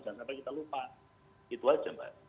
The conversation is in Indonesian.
jangan sampai kita lupa itu aja mbak